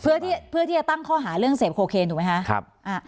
เพื่อที่เพื่อที่จะตั้งข้อหาเรื่องเสพโคเคนถูกไหมฮะครับอ่า